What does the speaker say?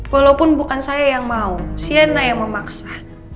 walaupun bukan saya yang mau siana yang memaksa